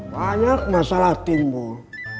banyak masalah timbul